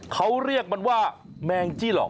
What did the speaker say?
เขาเรียกมันว่าแมงจี้หลอก